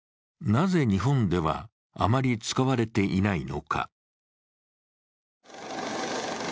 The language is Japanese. なぜ日本ではあまり使われていないのか。